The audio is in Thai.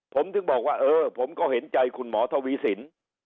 ผมถึงบอกว่าเออผมก็เห็นใจคุณหมอทวีสิน